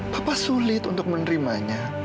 papa sulit untuk menerimanya